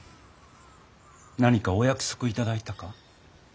何かお約束いただいたか？